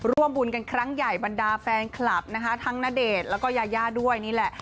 ร่วมบุญกันครั้งใหญ่บรรดาแฟนคลับนะคะทั้งณเดชน์แล้วก็ยายาด้วยนี่แหละ